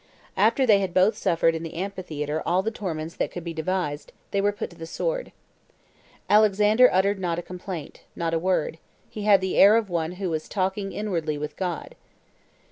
After they had both suffered in the amphitheatre all the torments that could be devised, they were put to the sword. Alexander uttered not a complaint, not a word; he had the air of one who was talking inwardly with God.